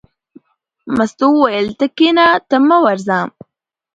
مستو وویل: ته کېنه ته مه ورځه.